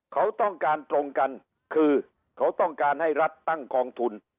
เขาต้องการตรงกันคือเขาต้องการให้รัฐตั้งกองทุน